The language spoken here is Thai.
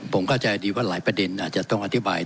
ผมเข้าใจดีว่าหลายประเด็นอาจจะต้องอธิบาย